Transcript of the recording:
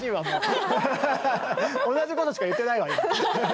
同じことしか言ってないわ今。